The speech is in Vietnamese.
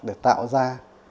để tạo ra